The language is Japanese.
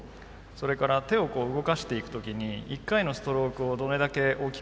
それから手を動かしていく時に１回のストロークをどれだけ大きくできるか。